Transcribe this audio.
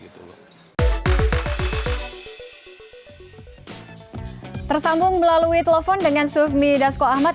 tersambung melalui telepon dengan sufmi dasko ahmad